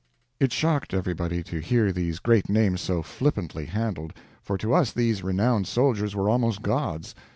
It shocked everybody to hear these great names so flippantly handled, for to us these renowned soldiers were almost gods.